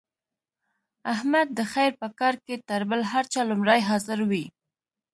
احمد د خیر په کار کې تر بل هر چا لومړی حاضر وي.